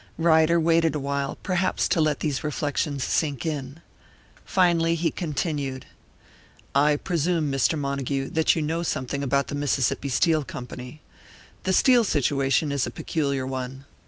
Ryder waited awhile, perhaps to let these reflections sink in. Finally he continued: "I presume, Mr. Montague, that you know something about the Mississippi Steel Company. The steel situation is a peculiar one.